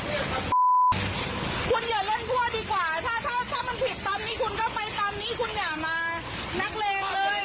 คุณอย่าเล่นคั่วดีกว่าถ้าถ้ามันผิดตอนนี้คุณก็ไปตามนี้คุณอย่ามานักเลงเลย